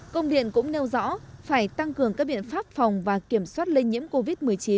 công điện cũng nêu rõ phải tăng cường các biện pháp phòng và kiểm soát lây nhiễm covid một mươi chín